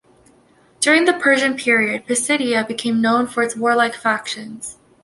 During the Persian period, Pisidia became known for its warlike factions.